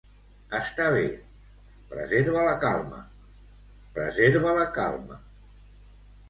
Està bé, preserva la calma, preserva la calma.